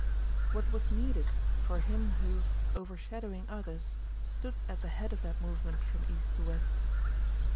What was needed for him who, overshadowing others, stood at the head of that movement from east to west?